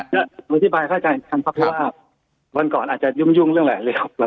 ก็อธิบายเข้าใจกันครับเพราะว่าวันก่อนอาจจะยุ่งเรื่องอะไรเลยครับ